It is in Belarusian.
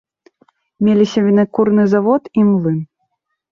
Меліся вінакурны завод і млын.